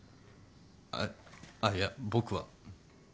あっあっいや僕はうん。